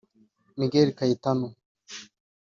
Miguel Caetano